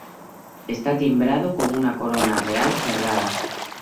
Está timbrado con una corona real cerrada.